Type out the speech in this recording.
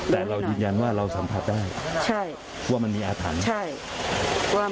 แต่เรายืนยันว่าเราสัมผัสได้ว่ามันมีอาถรรพ์